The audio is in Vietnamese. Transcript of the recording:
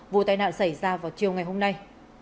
vụ tai nạn xảy ra vào chiều ngày hôm nay